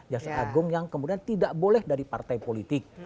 jasa agung yang kemudian tidak boleh dari partai politik